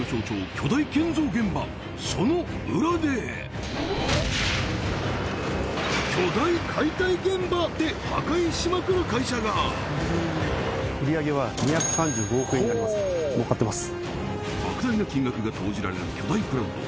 その裏で巨大解体現場で破壊しまくる会社が莫大な金額が投じられる巨大プラント